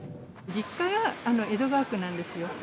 実家が江戸川区なんですよ。